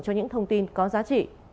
cho những thông tin có giá trị